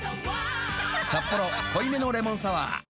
「サッポロ濃いめのレモンサワー」